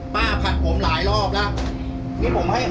เนี่ยผมให้ออกแล้วนะ